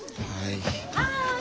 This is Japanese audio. はい。